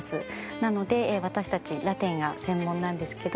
なので私たちラテンが専門なんですけど。